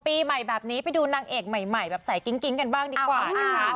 ปีใหม่แบบนี้ไปดูนางเอกใหม่แบบสายกิ๊งกันบ้างดีกว่านะคะ